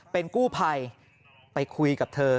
เป็นกู้ภัยไปคุยกับเธอ